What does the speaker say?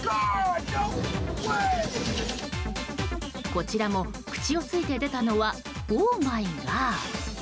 こちらも、口をついて出たのは「オーマイガー」。